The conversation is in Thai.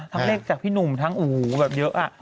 ทั้งเลขจากผิดหนุ่มทั้งอู๋แบบเยอะ